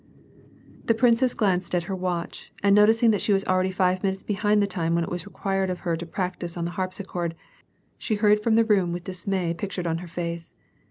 The princess glanced at her watch and noticing that she was already five minutes behind the time when it was required of her to practise on the harpsichord, she hurried from the room witli dismay pictured on her face.